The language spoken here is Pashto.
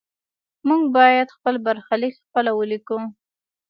موږ باید خپل برخلیک خپله ولیکو.